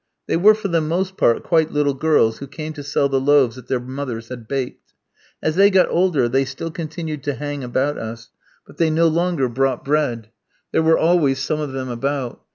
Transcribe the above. They were, for the most part, quite little girls who came to sell the loaves that their mothers had baked. As they got older they still continued to hang about us, but they no longer brought bread. There were always some of them about.